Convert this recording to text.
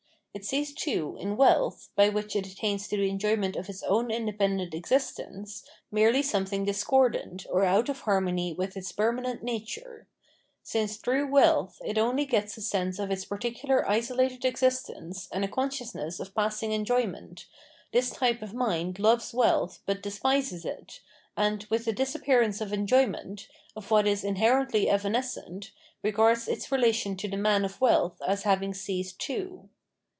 It sees, too, in wealth, by which it attains to the enjoyment of its own independent existence, merely something discordant, or out of harmony with its permanent nature ; since through wealth it only gets a sense of its particular isolated existence and a con sciousness of passing enjoyment, this type of mind loves wealth, but despises it, and, with the disappearance of enjoyment, of what is inherently evanescent, regards its relation to the man of wealth as having ceased too.